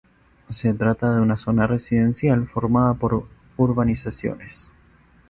Se trata de una zona residencial formada por urbanizaciones.